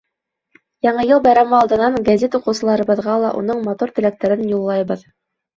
Яңы йыл байрамы алдынан гәзит уҡыусыларыбыҙға ла уның матур теләктәрен юллайбыҙ.